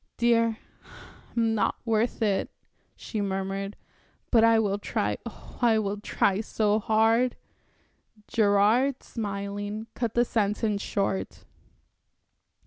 "Dear, I'm not worth it," she murmured, "but I will try oh, I will try so hard." ... Gerard, smiling, cut the sentence short.